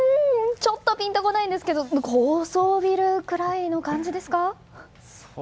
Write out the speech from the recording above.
ピンとこないんですけど高層ビルぐらいの感じですか？